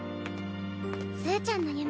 すうちゃんの夢